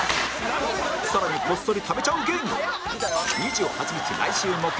更にこっそり食べちゃう芸人